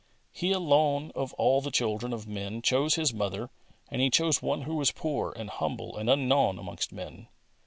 He alone of all the children of men chose His mother, and He chose one who was poor and humble and unknown amongst men.